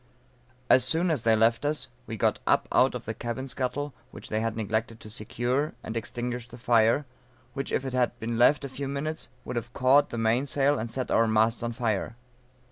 As soon as they left us, we got up out of the cabin scuttle, which they had neglected to secure, and extinguished the fire, which if it had been left a few minutes, would have caught the mainsail and set our masts on fire.